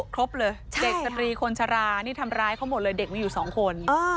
ครบเลยเด็กสตรีคนชรานี่ทำร้ายเขาหมดเลยเด็กมีอยู่๒คน